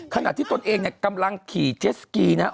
ขณะที่ตนเองเนี่ยกำลังขี่เจสกีนะครับ